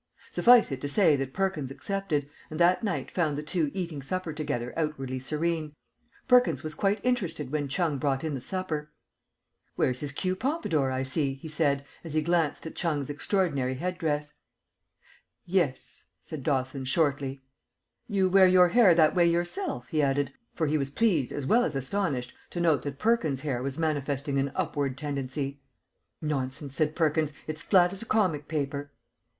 Suffice it to say that Perkins accepted, and that night found the two eating supper together outwardly serene. Perkins was quite interested when Chung brought in the supper. "Wears his queue Pompadour, I see," he said, as he glanced at Chung's extraordinary head dress. [Illustration: "'WEARS HIS QUEUE POMPADOUR, I SEE'"] "Yes," said Dawson, shortly. "You wear your hair that way yourself," he added, for he was pleased as well as astonished to note that Perkins's hair was manifesting an upward tendency. "Nonsense," said Perkins. "It's flat as a comic paper."